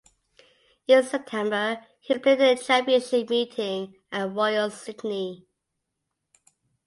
In September he played in the championship meeting at Royal Sydney.